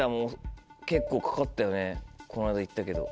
この間行ったけど。